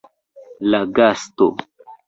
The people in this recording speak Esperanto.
La gasto.